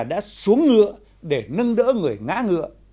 đã xuống ngựa để nâng đỡ người ngã ngựa